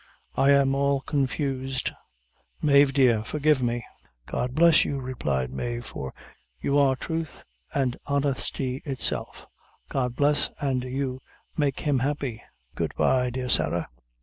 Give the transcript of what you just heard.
I'm all confused; Mave, dear, forgive me!" "God bless you," replied Mave, "for you are truth an' honesty itself. God bless an' you, make him happy! Good bye, dear Sarah."